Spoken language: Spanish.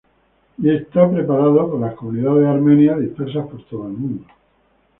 Y es preparado por las comunidades armenias dispersas por todo el mundo.